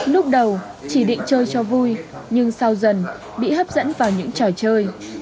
lúc đầu chỉ định chơi cho vui nhưng sau dần bị hấp dẫn vào những trò chơi